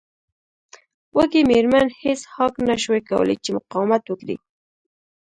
وږې میرمن هیج هاګ نشوای کولی چې مقاومت وکړي